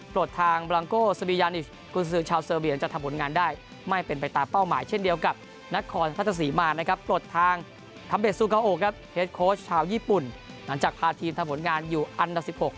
หลังจากพาร์ทธีมทางไว้ที่อันดับสิบหก